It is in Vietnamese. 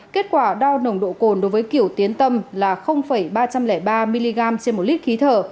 kết quả đo nồng độ cồn đối với kiểu tiến tâm là ba trăm linh ba mg trên một lít khí thở